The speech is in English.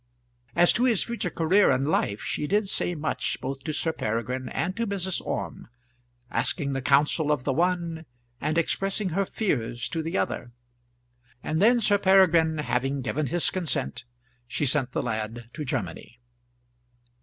As to his future career in life she did say much both to Sir Peregrine and to Mrs. Orme, asking the council of the one and expressing her fears to the other; and then, Sir Peregrine having given his consent, she sent the lad to Germany.